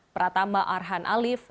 pratamba arhan alif